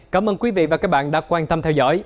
cảm ơn quý vị và các bạn đã quan tâm theo dõi